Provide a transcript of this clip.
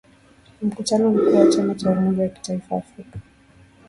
Mkutano mkuu wa chama cha umoja wa kitaifa Afrika